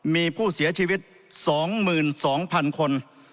มีผู้เสียชีวิต๒๒๐๐๐คน